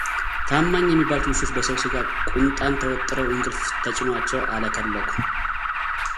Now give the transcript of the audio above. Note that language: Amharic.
ታማኝ የሚባሉት ውሾች በሰው ሥጋ ቁንጣን ተወጥረው እንቅልፍ ተጭኗቸው አለከለኩ።